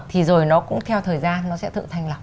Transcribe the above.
thì rồi nó cũng theo thời gian nó sẽ tự thành lập